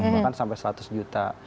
bahkan sampai seratus juta